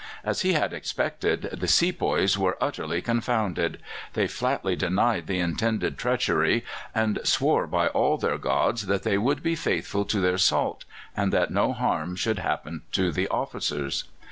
As he had expected, the sepoys were utterly confounded; they flatly denied the intended treachery, and swore by all their gods that they would be faithful to their salt, and that no harm should happen to the officers.